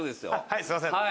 はいすいません。